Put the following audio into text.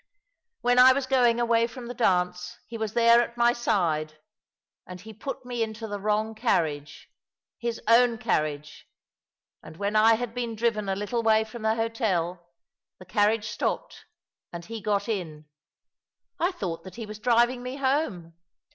When I was going away from the dance, he was there at my side — and he put me into the wrong carriage — his own carriage — and when I had been driven a little way from the hotel, the carriage stopped and he got in. I thought that he was driving me home.